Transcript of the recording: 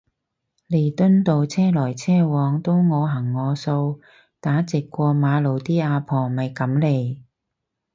彌敦道車來車往都我行我素打直過馬路啲阿婆咪噉嚟